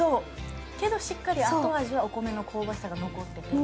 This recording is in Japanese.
けどしっかり後味はお米の香ばしさが残ってる。